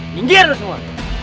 minggir lo semua